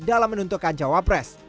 dalam menentukan cowopres